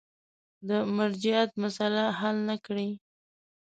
د مرجعیت مسأله حل نه کړي.